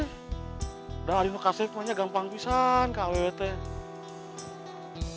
udah hari nukase emangnya gampang pisah kan awwtnya